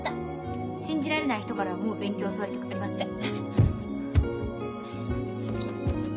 信じられない人からはもう勉強教わりたくありません。